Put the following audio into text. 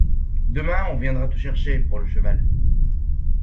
Demain, on viendra te chercher pour le cheval.